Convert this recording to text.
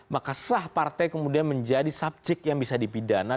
maka setelah partai kemudian menjadi subjek yang bisa dipindahkan